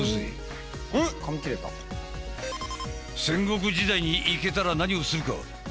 戦国時代に行けたら何をするか？